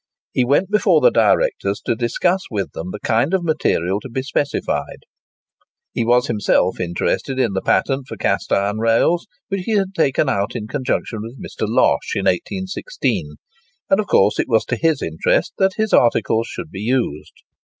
He went before the directors to discuss with them the kind of material to be specified. He was himself interested in the patent for cast iron rails, which he had taken out in conjunction with Mr. Losh in 1816; and, of course, it was to his interest that his articles should be used.